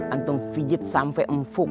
antum menjijit sampai mfuk